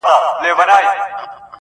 زما د سرڅښتنه اوس خپه سم که خوشحاله سم.